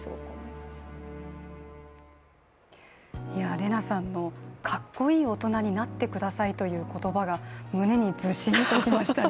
レナさんのかっこいい大人になってくださいという言葉が胸にズシンときましたね。